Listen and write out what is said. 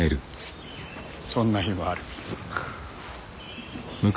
そんな日もある。